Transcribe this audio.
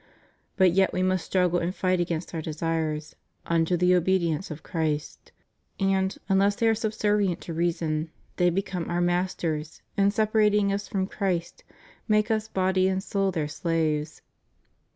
But yet we must struggle and fight against our desires "unto the obedience of Christ"; and, unless they are subservient to reason, they become our masters, and separating us from Christ make us body and soul their slaves.